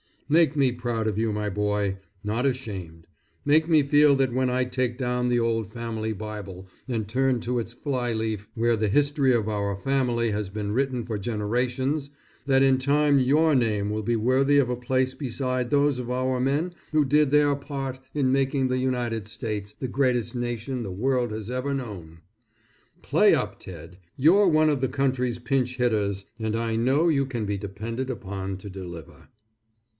Make me proud of you my boy, not ashamed. Make me feel that when I take down the old family Bible and turn to its fly leaf, where the history of our family has been written for generations, that in time your name will be worthy of a place beside those of our men who did their part in making the United States the greatest nation the world has ever known. Play up Ted! You're one of the country's pinch hitters, and I know you can be depended upon to deliver.